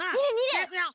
じゃいくよ。